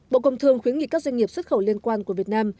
bộ công thương khuyến nghị các doanh nghiệp xuất khẩu liên quan của việt nam